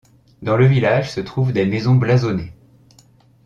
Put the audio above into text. Dans le village se trouvent des maisons blasonnées.